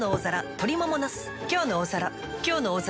「きょうの大皿」